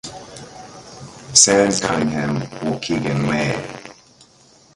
Sam Cunningham Waukegan Mayor